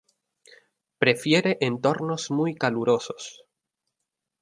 Prefiere entornos muy calurosos.